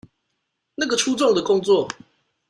那個粗重的工作